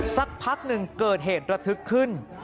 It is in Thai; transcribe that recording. สักพักหนึ่งเกิดเหตุระทึกขึ้น